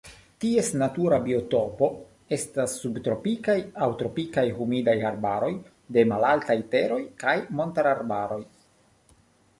Ties natura biotopo estas subtropikaj aŭ tropikaj humidaj arbaroj de malaltaj teroj kaj montararbaroj.